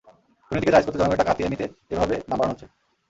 দুর্নীতিকে জায়েজ করতে জনগণের টাকা হাতিয়ে নিতে এভাবে দাম বাড়ানো হচ্ছে।